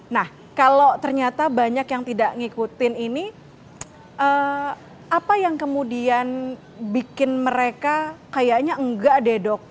nah kalau ternyata banyak yang tidak ngikutin ini apa yang kemudian bikin mereka kayaknya enggak deh dok